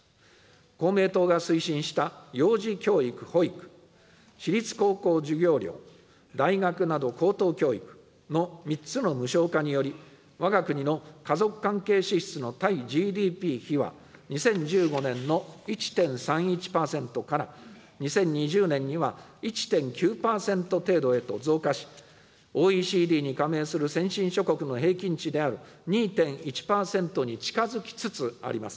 公明党が推進した幼児教育・保育、私立高校授業料、大学など高等教育の３つの無償化により、わが国の家族関係支出の対ＧＤＰ比は、２０１５年の１．３１％から、２０２０年には１．９％程度へと増加し、ＯＥＣＤに加盟する先進諸国の平均値である２．１％に近づきつつあります。